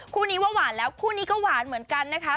คู่นี้ว่าหวานแล้วคู่นี้ก็หวานเหมือนกันนะคะ